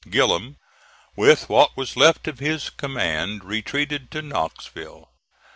Gillem, with what was left of his command, retreated to Knoxville.